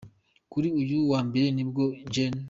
Kuri uyu wa mbere ni bwo Gen.